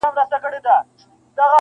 د باندي الوزي د ژمي ساړه توند بادونه!!